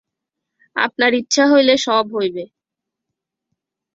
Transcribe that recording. আপনার ইচ্ছা হইলে সব হইবে।